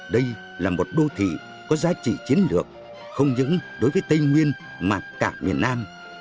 đây là một đô thị có giá trị chiến lược không những đối với tây nguyên mà cả miền nam